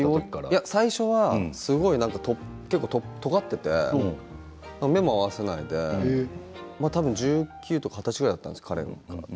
いや、最初は結構とがっていて目も合わせないで多分１９とか二十歳ぐらいだったんです、彼も。